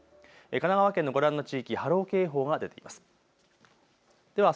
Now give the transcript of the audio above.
神奈川県のご覧の地域、波浪警報が出ています。